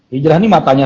hijrah ini matanya